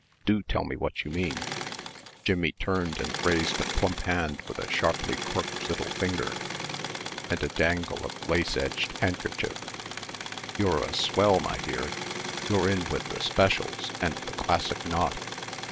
"Do tell me what you mean?" Jimmie turned and raised a plump hand with a sharply quirked little finger and a dangle of lace edged handkerchief. "You're a swell, my dear. You're in with the specials and the classic knot."